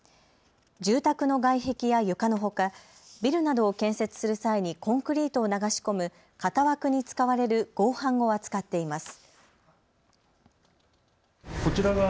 住宅の外壁や床のほかビルなどを建設する際にコンクリートを流し込む型枠に使われる合板を扱っています。